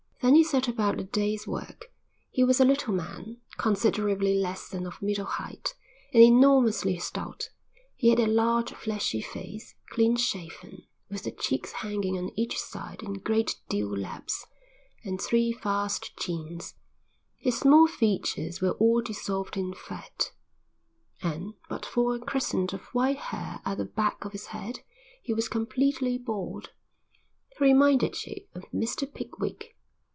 Then he set about the day's work. He was a little man, considerably less than of middle height, and enormously stout; he had a large, fleshy face, clean shaven, with the cheeks hanging on each side in great dew laps, and three vast chins; his small features were all dissolved in fat; and, but for a crescent of white hair at the back of his head, he was completely bald. He reminded you of Mr Pickwick.